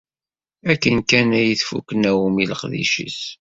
Akken kan ay tfuk Naomi leqdic-is.